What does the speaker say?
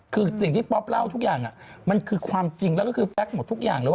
คือสิ่งที่ป๊อปเล่าทุกอย่างมันคือความจริงแล้วก็คือแก๊กหมดทุกอย่างเลยว่า